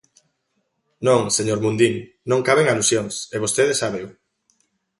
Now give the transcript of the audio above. Non, señor Mundín, non caben alusións, e vostede sábeo.